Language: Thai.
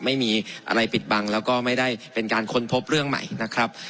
ไม่มีอะไรปิดบังแล้วก็ไม่ได้เป็นการค้นพบเรื่องใหม่นะครับ